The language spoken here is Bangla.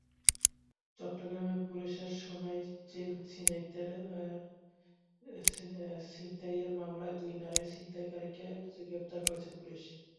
চট্টগ্রামে পুলিশের সোনার চেইন ছিনতাইয়ের মামলায় দুই নারী ছিনতাইকারীকে গ্রেপ্তার করেছে পুলিশ।